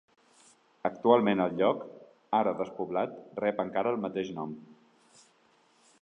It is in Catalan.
Actualment el lloc, ara despoblat, rep encara el mateix nom.